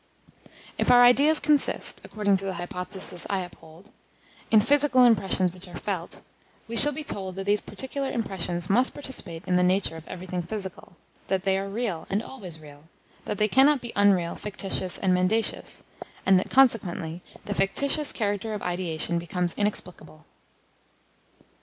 If our ideas consist according to the hypothesis I uphold in physical impressions which are felt, we shall be told that these particular impressions must participate in the nature of everything physical; that they are real, and always real; that they cannot be unreal, fictitious, and mendacious, and that, consequently, the fictitious character of ideation becomes inexplicable.